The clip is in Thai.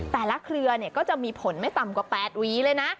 แต่ละเครือเนี่ยก็จะมีผลไม่ต่ำกว่า๘วีเลยนะ